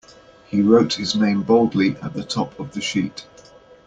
He wrote his name boldly at the top of the sheet.